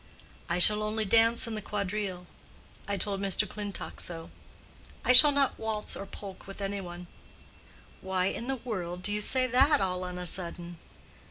"I shall only dance in the quadrille. I told Mr. Clintock so. I shall not waltz or polk with any one." "Why in the world do you say that all on a sudden?"